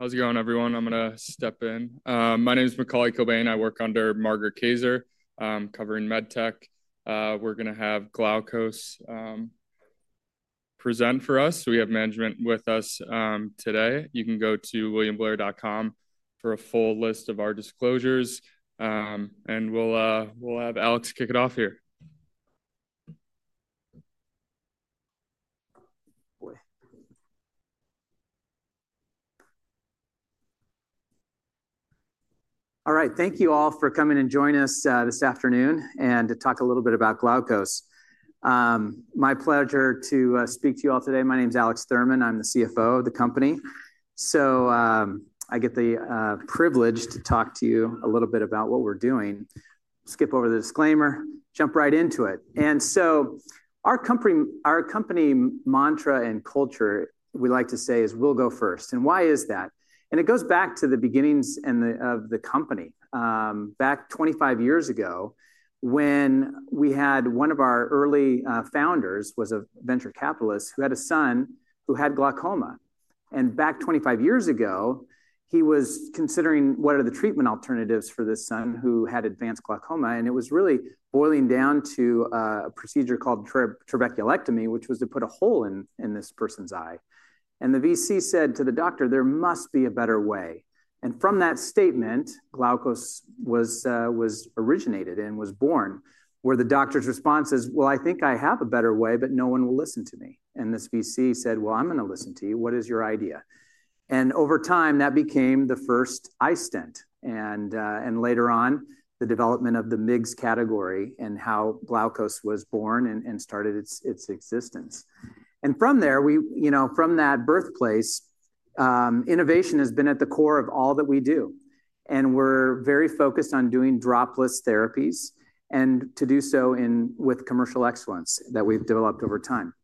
How's it going, everyone? I'm going to step in. My name is Macaulay Cobain. I work under Margaret Kazer covering medtech. We're going to have Glaukos present for us. We have management with us today. You can go to williamblair.com for a full list of our disclosures. We will have Alex kick it off here. All right. Thank you all for coming and joining us this afternoon to talk a little bit about Glaukos. My pleasure to speak to you all today. My name is Alex Thurman. I'm the CFO of the company. I get the privilege to talk to you a little bit about what we're doing. Skip over the disclaimer, jump right into it. Our company mantra and culture, we like to say, is we'll go first. Why is that? It goes back to the beginnings of the company back 25 years ago when we had one of our early founders who was a venture capitalist who had a son who had glaucoma. Back 25 years ago, he was considering what are the treatment alternatives for this son who had advanced glaucoma. It was really boiling down to a procedure called trabeculectomy, which was to put a hole in this person's eye. The VC said to the doctor, there must be a better way. From that statement, Glaukos was originated and was born, where the doctor's response is, I think I have a better way, but no one will listen to me. This VC said, I am going to listen to you. What is your idea? Over time, that became the first iStent. Later on, the development of the MIGS category and how Glaukos was born and started its existence. From there, from that birthplace, innovation has been at the core of all that we do. We are very focused on doing dropless therapies and to do so with commercial excellence that we have developed over time.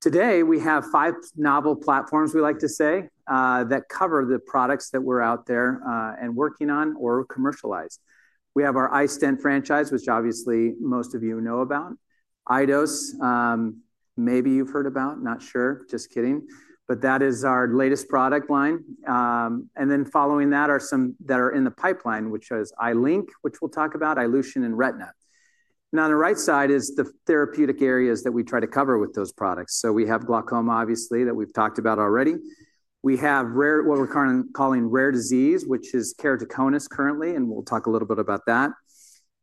Today, we have five novel platforms, we like to say, that cover the products that we are out there and working on or commercialize. We have our iStent franchise, which obviously most of you know about. EyeDos, maybe you have heard about, not sure, just kidding. That is our latest product line. Following that are some that are in the pipeline, which is iLink, which we will talk about, iLution and Retina. On the right side is the therapeutic areas that we try to cover with those products. We have glaucoma, obviously, that we have talked about already. We have what we are calling rare disease, which is keratoconus currently, and we will talk a little bit about that.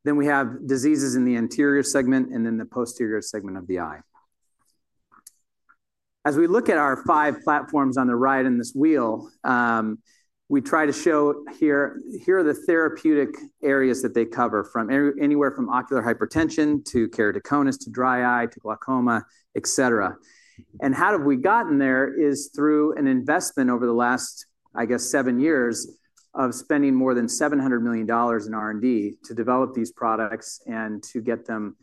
We have diseases in the anterior segment and then the posterior segment of the eye. As we look at our five platforms on the right in this wheel, we try to show here are the therapeutic areas that they cover from anywhere from ocular hypertension to keratoconus to dry eye to glaucoma, et cetera. How have we gotten there is through an investment over the last, I guess, seven years of spending more than $700 million in R&D to develop these products and to get them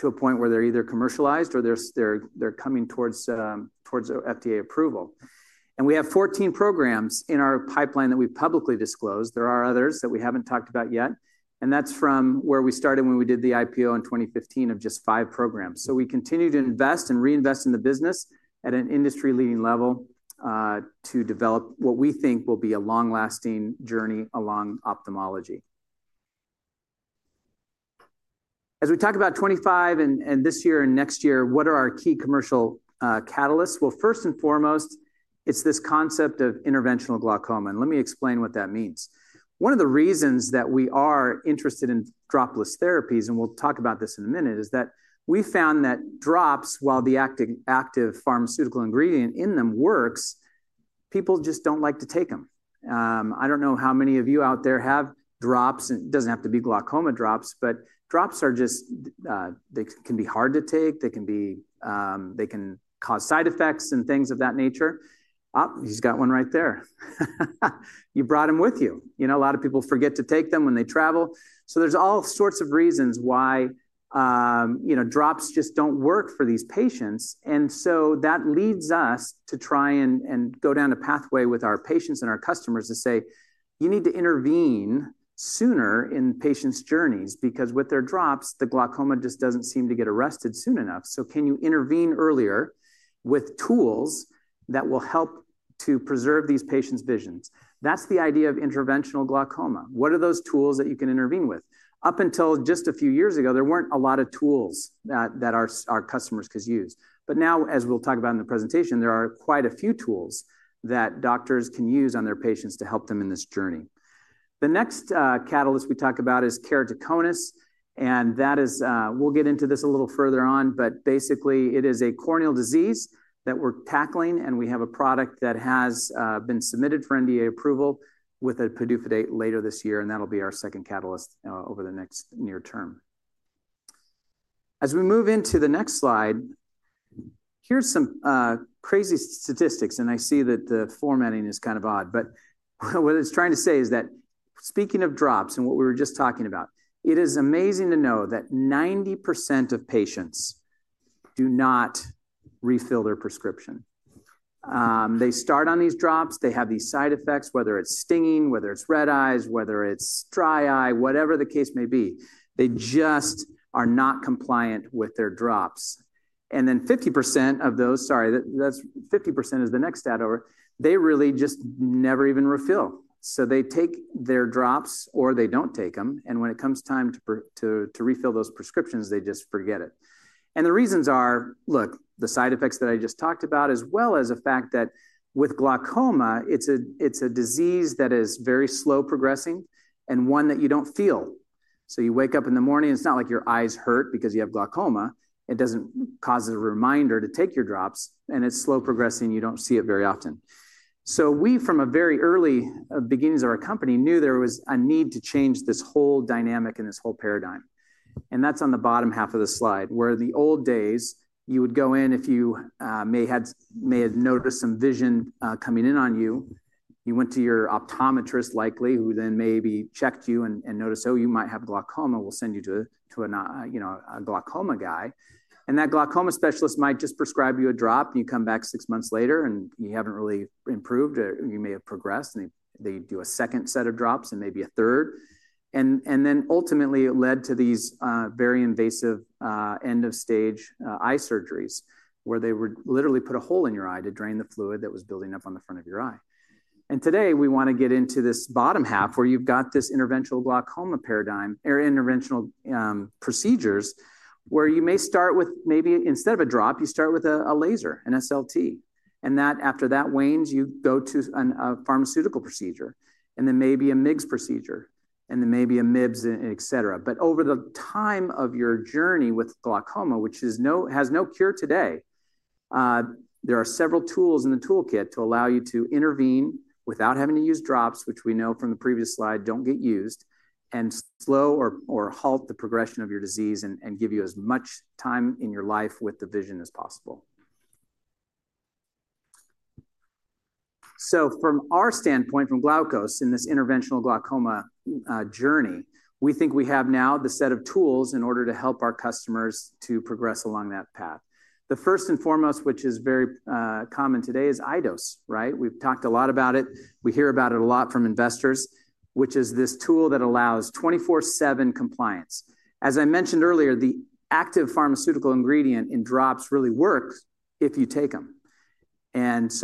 to a point where they're either commercialized or they're coming towards FDA approval. We have 14 programs in our pipeline that we've publicly disclosed. There are others that we haven't talked about yet. That's from where we started when we did the IPO in 2015 of just five programs. We continue to invest and reinvest in the business at an industry-leading level to develop what we think will be a long-lasting journey along ophthalmology. As we talk about 2025 and this year and next year, what are our key commercial catalysts? First and foremost, it's this concept of interventional glaucoma. Let me explain what that means. One of the reasons that we are interested in dropless therapies, and we'll talk about this in a minute, is that we found that drops, while the active pharmaceutical ingredient in them works, people just do not like to take them. I do not know how many of you out there have drops. It does not have to be glaucoma drops, but drops are just, they can be hard to take. They can cause side effects and things of that nature. Oh, he has got one right there. You brought him with you. A lot of people forget to take them when they travel. There are all sorts of reasons why drops just do not work for these patients. That leads us to try and go down a pathway with our patients and our customers to say, you need to intervene sooner in patients' journeys because with their drops, the glaucoma just does not seem to get arrested soon enough. Can you intervene earlier with tools that will help to preserve these patients' visions? That is the idea of interventional glaucoma. What are those tools that you can intervene with? Up until just a few years ago, there were not a lot of tools that our customers could use. Now, as we will talk about in the presentation, there are quite a few tools that doctors can use on their patients to help them in this journey. The next catalyst we talk about is keratoconus. We will get into this a little further on, but basically, it is a corneal disease that we are tackling. We have a product that has been submitted for NDA approval with a PDUFA date later this year. That will be our second catalyst over the next near term. As we move into the next slide, here are some crazy statistics. I see that the formatting is kind of odd. What it is trying to say is that, speaking of drops and what we were just talking about, it is amazing to know that 90% of patients do not refill their prescription. They start on these drops. They have these side effects, whether it is stinging, whether it is red eyes, whether it is dry eye, whatever the case may be. They just are not compliant with their drops. Then 50% of those, sorry, that is 50% is the next stat over, they really just never even refill. They take their drops or they do not take them. When it comes time to refill those prescriptions, they just forget it. The reasons are, look, the side effects that I just talked about, as well as the fact that with glaucoma, it is a disease that is very slow progressing and one that you do not feel. You wake up in the morning, it is not like your eyes hurt because you have glaucoma. It does not cause a reminder to take your drops. It is slow progressing. You do not see it very often. We, from the very early beginnings of our company, knew there was a need to change this whole dynamic and this whole paradigm. That is on the bottom half of the slide, where in the old days, you would go in, if you may have noticed some vision coming in on you, you went to your optometrist likely, who then maybe checked you and noticed, oh, you might have glaucoma. We'll send you to a glaucoma guy. That glaucoma specialist might just prescribe you a drop. You come back six months later and you have not really improved. You may have progressed. They do a second set of drops and maybe a third. Ultimately, it led to these very invasive end-of-stage eye surgeries, where they would literally put a hole in your eye to drain the fluid that was building up on the front of your eye. Today, we want to get into this bottom half, where you've got this interventional glaucoma paradigm or interventional procedures, where you may start with maybe instead of a drop, you start with a laser, an SLT. After that wanes, you go to a pharmaceutical procedure and then maybe a MIGS procedure and then maybe a MIBS, et cetera. Over the time of your journey with glaucoma, which has no cure today, there are several tools in the toolkit to allow you to intervene without having to use drops, which we know from the previous slide do not get used, and slow or halt the progression of your disease and give you as much time in your life with the vision as possible. From our standpoint, from Glaukos in this interventional glaucoma journey, we think we have now the set of tools in order to help our customers to progress along that path. The first and foremost, which is very common today, is EyeDos. We have talked a lot about it. We hear about it a lot from investors, which is this tool that allows 24/7 compliance. As I mentioned earlier, the active pharmaceutical ingredient in drops really works if you take them.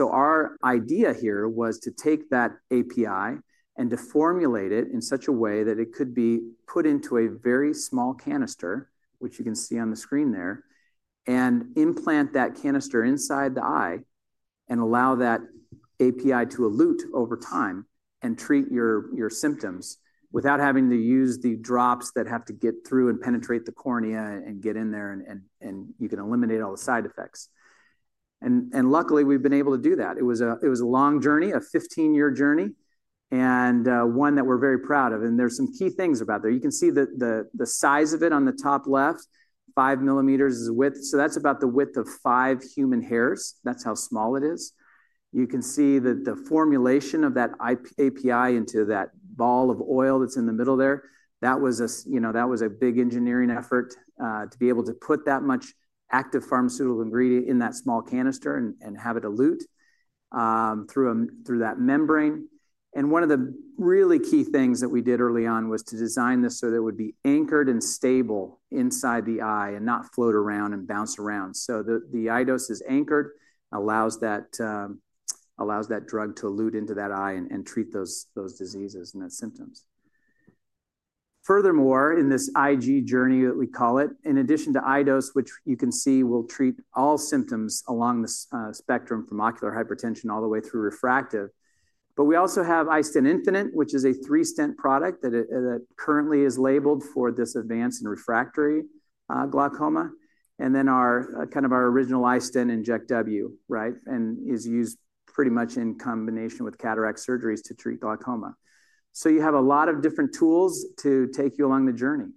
Our idea here was to take that API and to formulate it in such a way that it could be put into a very small canister, which you can see on the screen there, and implant that canister inside the eye and allow that API to elute over time and treat your symptoms without having to use the drops that have to get through and penetrate the cornea and get in there. You can eliminate all the side effects. Luckily, we have been able to do that. It was a long journey, a 15-year journey, and one that we are very proud of. There are some key things about there. You can see the size of it on the top left, 5 mm is width. That is about the width of five human hairs. That is how small it is. You can see that the formulation of that API into that ball of oil that is in the middle there, that was a big engineering effort to be able to put that much active pharmaceutical ingredient in that small canister and have it elute through that membrane. One of the really key things that we did early on was to design this so that it would be anchored and stable inside the eye and not float around and bounce around. The EyeDos is anchored, allows that drug to elute into that eye and treat those diseases and those symptoms. Furthermore, in this IG journey that we call it, in addition to EyeDos, which you can see will treat all symptoms along the spectrum from ocular hypertension all the way through refractive, we also have iStent Infinite, which is a three-stent product that currently is labeled for this advanced and refractory glaucoma. Then kind of our original iStent inject W, and is used pretty much in combination with cataract surgeries to treat glaucoma. You have a lot of different tools to take you along the journey.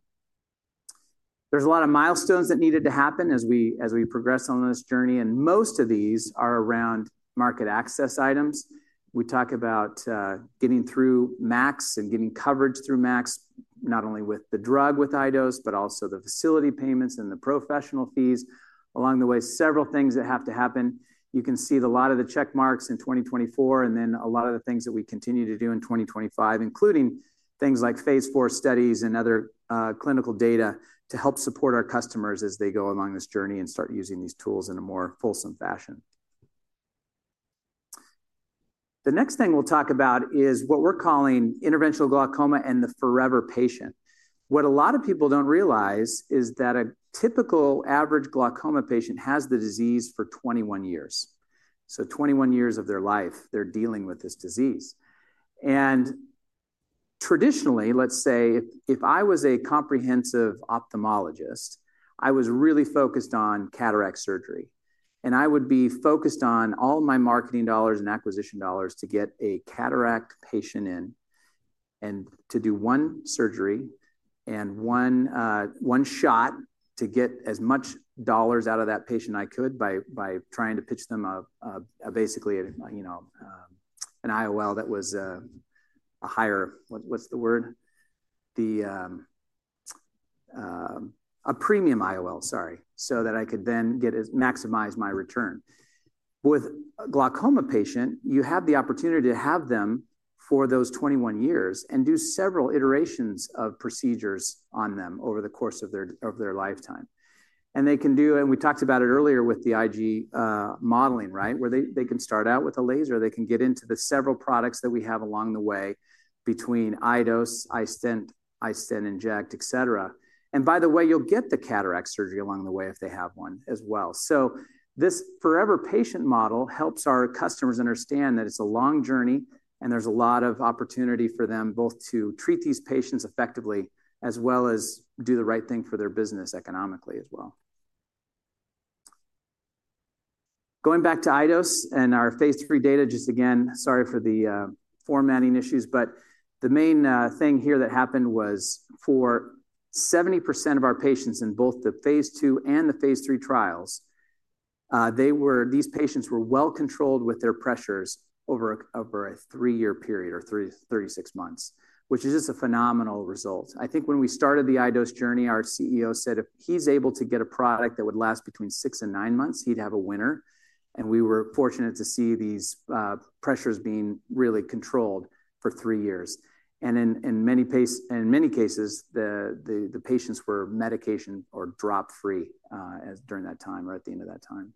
There are a lot of milestones that needed to happen as we progress on this journey. Most of these are around market access items. We talk about getting through Max and getting coverage through Max, not only with the drug with EyeDos, but also the facility payments and the professional fees. Along the way, several things that have to happen. You can see a lot of the check marks in 2024 and then a lot of the things that we continue to do in 2025, including things like phase four studies and other clinical data to help support our customers as they go along this journey and start using these tools in a more fulsome fashion. The next thing we'll talk about is what we're calling interventional glaucoma and the forever patient. What a lot of people don't realize is that a typical average glaucoma patient has the disease for 21 years. So 21 years of their life, they're dealing with this disease. And traditionally, let's say, if I was a comprehensive ophthalmologist, I was really focused on cataract surgery. I would be focused on all my marketing dollars and acquisition dollars to get a cataract patient in and to do one surgery and one shot to get as much dollars out of that patient I could by trying to pitch them basically an IOL that was a higher, what's the word, a premium IOL, sorry, so that I could then maximize my return. With a glaucoma patient, you have the opportunity to have them for those 21 years and do several iterations of procedures on them over the course of their lifetime. They can do, and we talked about it earlier with the IG modeling, where they can start out with a laser. They can get into the several products that we have along the way between EyeDos, iStent, iStent inject, et cetera. By the way, you'll get the cataract surgery along the way if they have one as well. This forever patient model helps our customers understand that it's a long journey and there's a lot of opportunity for them both to treat these patients effectively as well as do the right thing for their business economically as well. Going back to EyeDos and our phase three data, just again, sorry for the formatting issues, but the main thing here that happened was for 70% of our patients in both the phase two and the phase three trials, these patients were well controlled with their pressures over a three-year period or 36 months, which is just a phenomenal result. I think when we started the EyeDos journey, our CEO said if he's able to get a product that would last between six and nine months, he'd have a winner. We were fortunate to see these pressures being really controlled for three years. In many cases, the patients were medication or drop-free during that time or at the end of that time.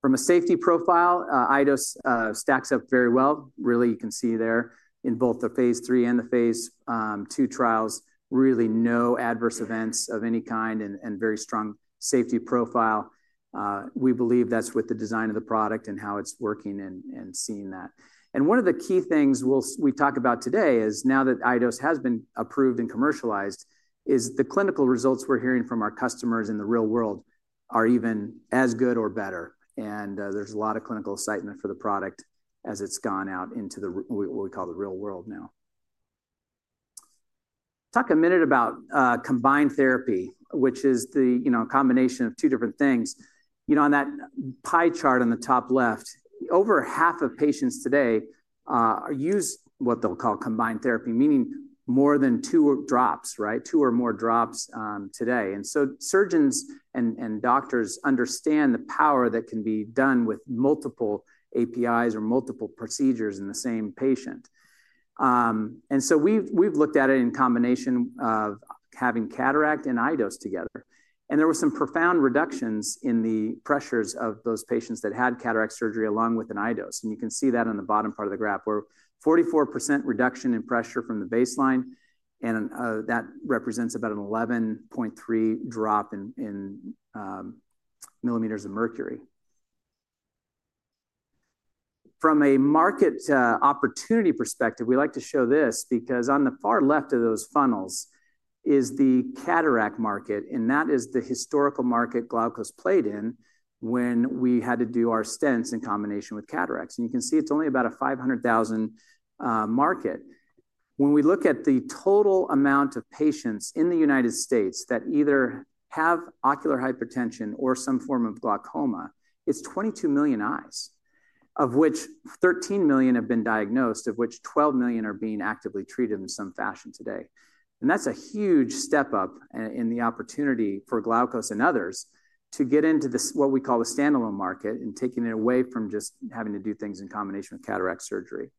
From a safety profile, EyeDos stacks up very well. You can see there in both the phase three and the phase two trials, really no adverse events of any kind and very strong safety profile. We believe that's with the design of the product and how it's working and seeing that. One of the key things we talk about today is now that EyeDos has been approved and commercialized, the clinical results we're hearing from our customers in the real world are even as good or better. There is a lot of clinical excitement for the product as it's gone out into what we call the real world now. Talk a minute about combined therapy, which is the combination of two different things. On that pie chart on the top left, over half of patients today use what they'll call combined therapy, meaning more than two drops, two or more drops today. Surgeons and doctors understand the power that can be done with multiple APIs or multiple procedures in the same patient. We have looked at it in combination of having cataract and EyeDos together. There were some profound reductions in the pressures of those patients that had cataract surgery along with an EyeDos. You can see that on the bottom part of the graph, where 44% reduction in pressure from the baseline. That represents about an 11.3 drop in millimeters of mercury. From a market opportunity perspective, we like to show this because on the far left of those funnels is the cataract market. That is the historical market Glaukos played in when we had to do our stents in combination with cataracts. You can see it's only about a 500,000 market. When we look at the total amount of patients in the United States that either have ocular hypertension or some form of glaucoma, it's 22 million eyes, of which 13 million have been diagnosed, of which 12 million are being actively treated in some fashion today. That's a huge step up in the opportunity for Glaukos and others to get into what we call the standalone market and taking it away from just having to do things in combination with cataract surgery.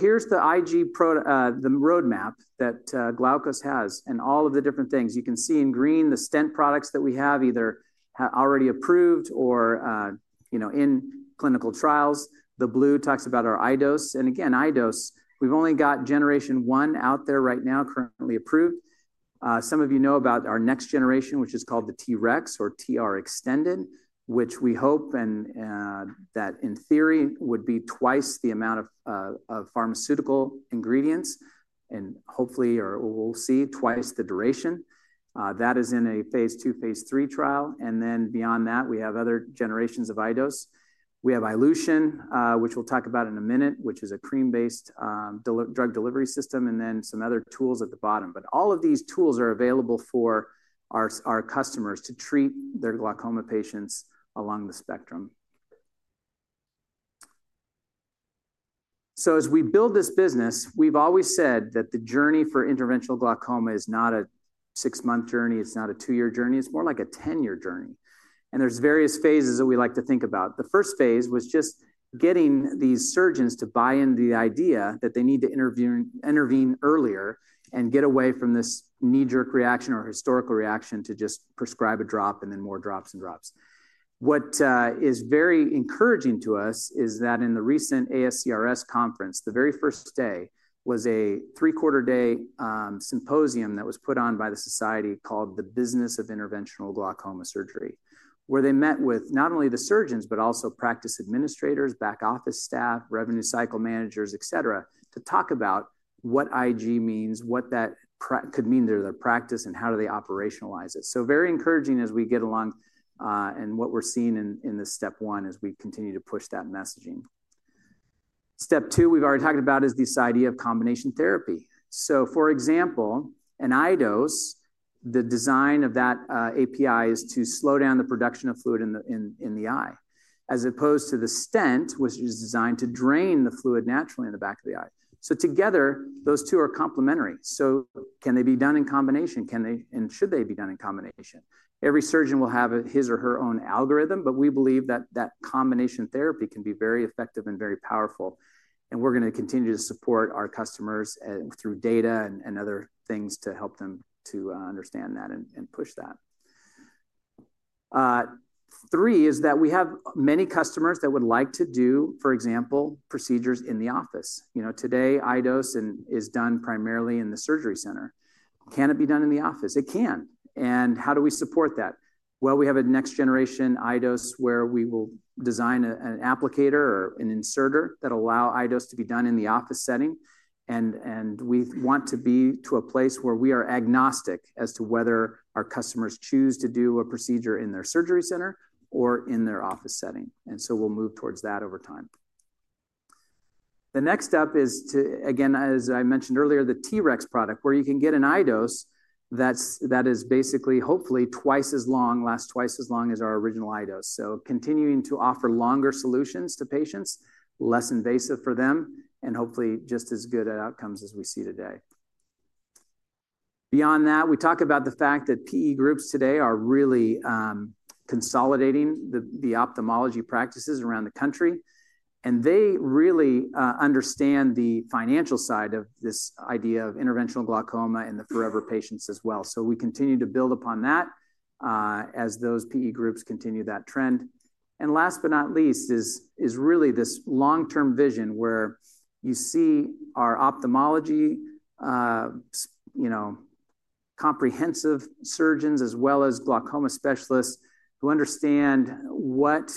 Here's the IG roadmap that Glaukos has and all of the different things. You can see in green the stent products that we have either already approved or in clinical trials. The blue talks about our EyeDos. Again, EyeDos, we've only got generation one out there right now currently approved. Some of you know about our next generation, which is called the T-Rex or TR Extended, which we hope that in theory would be twice the amount of pharmaceutical ingredients. Hopefully, or we'll see, twice the duration. That is in a phase two, phase three trial. Beyond that, we have other generations of EyeDos. We have iLution, which we'll talk about in a minute, which is a cream-based drug delivery system, and then some other tools at the bottom. All of these tools are available for our customers to treat their glaucoma patients along the spectrum. As we build this business, we've always said that the journey for interventional glaucoma is not a six-month journey. It's not a two-year journey. It's more like a 10-year journey. There are various phases that we like to think about. The first phase was just getting these surgeons to buy into the idea that they need to intervene earlier and get away from this knee-jerk reaction or historical reaction to just prescribe a drop and then more drops and drops. What is very encouraging to us is that in the recent ASCRS conference, the very first day was a three-quarter day symposium that was put on by the society called the Business of Interventional Glaucoma Surgery, where they met with not only the surgeons, but also practice administrators, back office staff, revenue cycle managers, et cetera, to talk about what IG means, what that could mean to their practice, and how do they operationalize it. Very encouraging as we get along. What we're seeing in this step one is we continue to push that messaging. Step two, we've already talked about is this idea of combination therapy. For example, in EyeDos, the design of that API is to slow down the production of fluid in the eye as opposed to the stent, which is designed to drain the fluid naturally in the back of the eye. Together, those two are complementary. Can they be done in combination? Should they be done in combination? Every surgeon will have his or her own algorithm, but we believe that that combination therapy can be very effective and very powerful. We are going to continue to support our customers through data and other things to help them to understand that and push that. Three is that we have many customers that would like to do, for example, procedures in the office. Today, EyeDos is done primarily in the surgery center. Can it be done in the office? It can. How do we support that? We have a next generation EyeDos where we will design an applicator or an inserter that allows EyeDos to be done in the office setting. We want to be to a place where we are agnostic as to whether our customers choose to do a procedure in their surgery center or in their office setting. We will move towards that over time. The next step is to, again, as I mentioned earlier, the T-Rex product where you can get an EyeDos that is basically hopefully twice as long, lasts twice as long as our original EyeDos. Continuing to offer longer solutions to patients, less invasive for them, and hopefully just as good at outcomes as we see today. Beyond that, we talk about the fact that PE groups today are really consolidating the ophthalmology practices around the country. They really understand the financial side of this idea of interventional glaucoma and the forever patients as well. We continue to build upon that as those PE groups continue that trend. Last but not least is really this long-term vision where you see our ophthalmology comprehensive surgeons as well as glaucoma specialists who understand what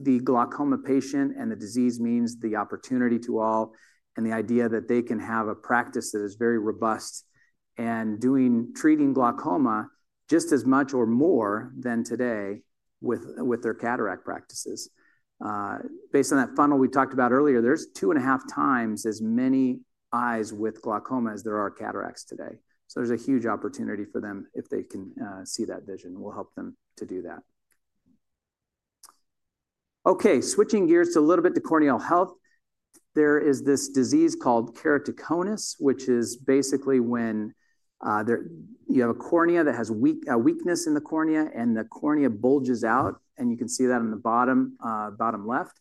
the glaucoma patient and the disease means, the opportunity to all, and the idea that they can have a practice that is very robust and treating glaucoma just as much or more than today with their cataract practices. Based on that funnel we talked about earlier, there are two and a half times as many eyes with glaucoma as there are cataracts today. There is a huge opportunity for them if they can see that vision. We'll help them to do that. Okay, switching gears a little bit to corneal health. There is this disease called keratoconus, which is basically when you have a cornea that has weakness in the cornea and the cornea bulges out. You can see that on the bottom left.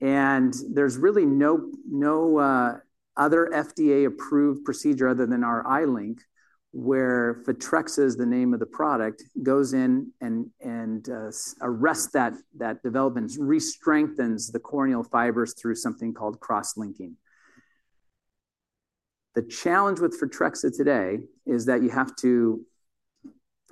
There is really no other FDA-approved procedure other than our iLink, where Fitrexa, the name of the product, goes in and arrests that development, restrengthens the corneal fibers through something called cross-linking. The challenge with Fitrexa today is that you have to,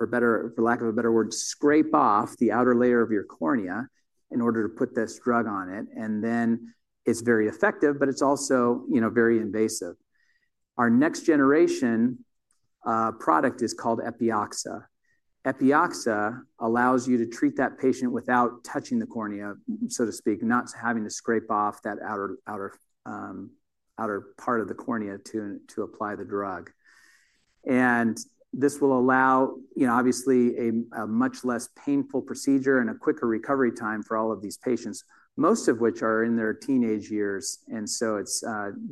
for lack of a better word, scrape off the outer layer of your cornea in order to put this drug on it. It is very effective, but it is also very invasive. Our next generation product is called Epioxa. Epioxa allows you to treat that patient without touching the cornea, so to speak, not having to scrape off that outer part of the cornea to apply the drug. This will allow, obviously, a much less painful procedure and a quicker recovery time for all of these patients, most of which are in their teenage years. It is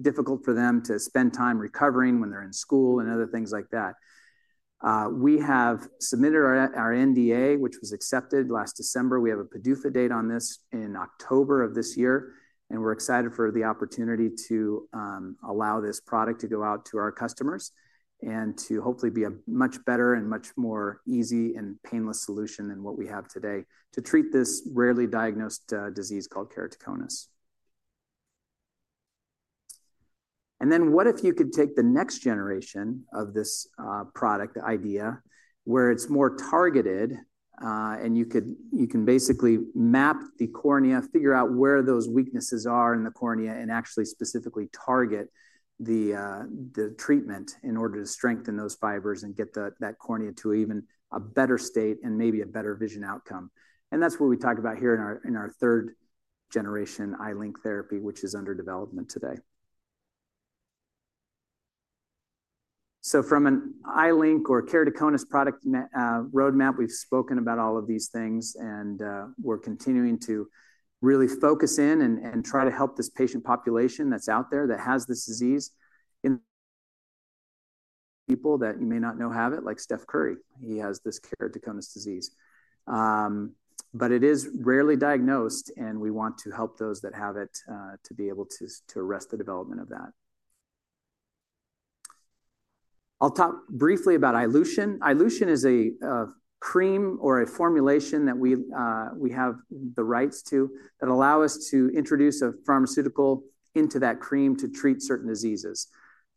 difficult for them to spend time recovering when they are in school and other things like that. We have submitted our NDA, which was accepted last December. We have a PDUFA date on this in October of this year. We are excited for the opportunity to allow this product to go out to our customers and to hopefully be a much better and much more easy and painless solution than what we have today to treat this rarely diagnosed disease called keratoconus. What if you could take the next generation of this product, the idea, where it is more targeted and you can basically map the cornea, figure out where those weaknesses are in the cornea, and actually specifically target the treatment in order to strengthen those fibers and get that cornea to even a better state and maybe a better vision outcome. That is what we talk about here in our third-generation iLink therapy, which is under development today. From an iLink or keratoconus product roadmap, we've spoken about all of these things. We are continuing to really focus in and try to help this patient population that is out there that has this disease in people that you may not know have it, like Steph Curry. He has this keratoconus disease. It is rarely diagnosed. We want to help those that have it to be able to arrest the development of that. I'll talk briefly about iLution. iLution is a cream or a formulation that we have the rights to that allows us to introduce a pharmaceutical into that cream to treat certain diseases.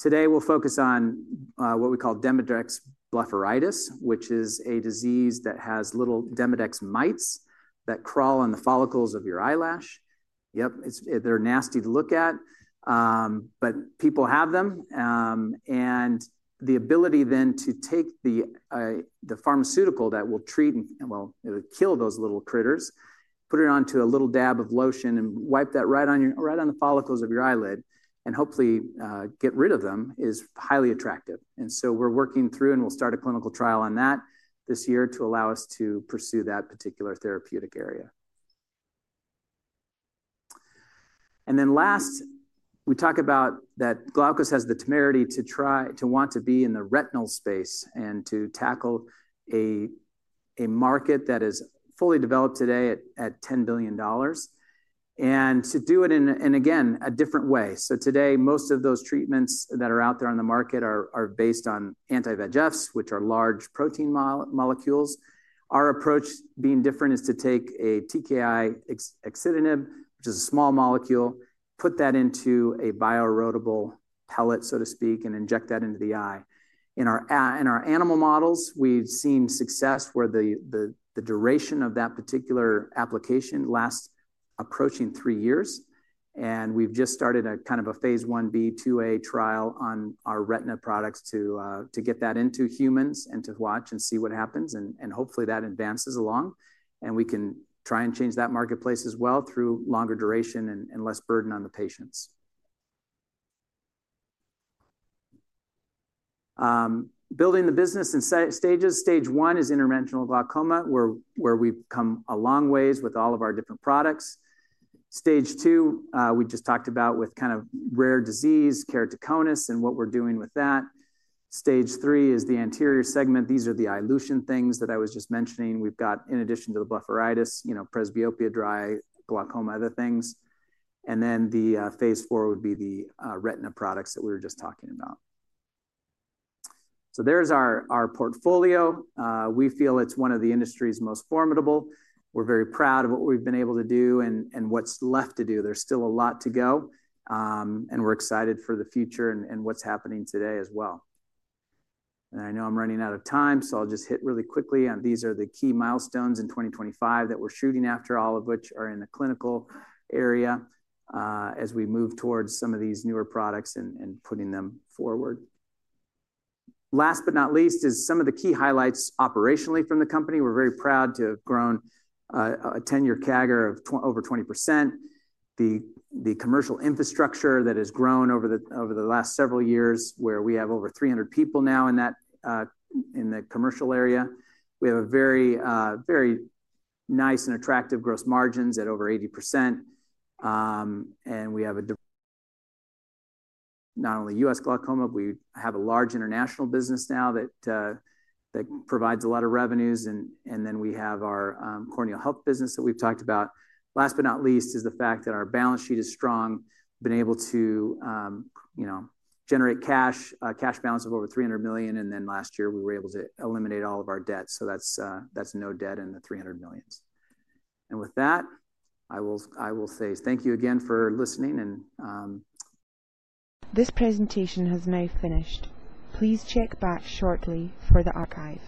Today, we'll focus on what we call Demodex blepharitis, which is a disease that has little Demodex mites that crawl on the follicles of your eyelash. Yep, they're nasty to look at. People have them. The ability then to take the pharmaceutical that will treat and, well, it'll kill those little critters, put it onto a little dab of lotion, and wipe that right on the follicles of your eyelid and hopefully get rid of them is highly attractive. We're working through and we'll start a clinical trial on that this year to allow us to pursue that particular therapeutic area. Last, we talk about that Glaukos has the temerity to want to be in the retinal space and to tackle a market that is fully developed today at $10 billion. To do it in, again, a different way. Today, most of those treatments that are out there on the market are based on anti-VEGFs, which are large protein molecules. Our approach being different is to take a TKI, axitinib, which is a small molecule, put that into a biorotatable pellet, so to speak, and inject that into the eye. In our animal models, we've seen success where the duration of that particular application lasts approaching three years. We've just started a kind of a phase 1b/2a trial on our retina products to get that into humans and to watch and see what happens. Hopefully, that advances along. We can try and change that marketplace as well through longer duration and less burden on the patients. Building the business in stages. Stage one is interventional glaucoma, where we've come a long way with all of our different products. Stage two, we just talked about with kind of rare disease, keratoconus and what we're doing with that. Stage three is the anterior segment. These are the iLution things that I was just mentioning. We've got, in addition to the blepharitis, presbyopia, dry glaucoma, other things. The phase four would be the retina products that we were just talking about. There is our portfolio. We feel it's one of the industry's most formidable. We're very proud of what we've been able to do and what's left to do. There's still a lot to go. We're excited for the future and what's happening today as well. I know I'm running out of time, so I'll just hit really quickly on these are the key milestones in 2025 that we're shooting after, all of which are in the clinical area as we move towards some of these newer products and putting them forward. Last but not least is some of the key highlights operationally from the company. We're very proud to have grown a 10-year CAGR of over 20%. The commercial infrastructure that has grown over the last several years, where we have over 300 people now in the commercial area. We have very nice and attractive gross margins at over 80%. We have not only U.S. glaucoma, but we have a large international business now that provides a lot of revenues. We have our corneal health business that we've talked about. Last but not least is the fact that our balance sheet is strong, been able to generate cash, cash balance of over $300 million. Last year, we were able to eliminate all of our debt. That is no debt in the $300 million. With that, I will say thank you again for listening. This presentation has now finished. Please check back shortly for the archive.